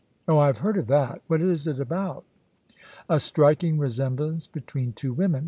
"Oh, I have heard of that. What is it about?" "A striking resemblance between two women.